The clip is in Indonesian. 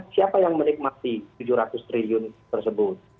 siapa yang menikmati rp tujuh ratus triliun tersebut